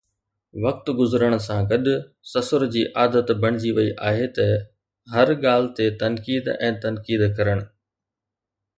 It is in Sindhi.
وقت گذرڻ سان گڏ سسر جي عادت بڻجي وئي آهي ته هر ڳالهه تي تنقيد ۽ تنقيد ڪرڻ.